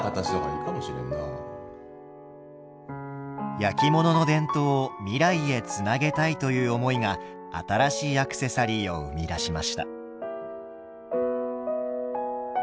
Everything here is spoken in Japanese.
焼き物の伝統を未来へつなげたいという思いが新しいアクセサリーを生み出しました。